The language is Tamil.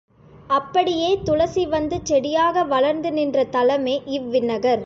அப்படியே துளசி வந்து செடியாக வளர்ந்து நின்ற தலமே இவ்விண்ணகர்.